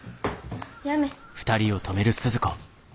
やめ。